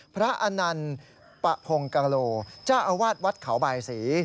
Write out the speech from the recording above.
อนันต์ปะพงกะโลเจ้าอาวาสวัดเขาบายศรี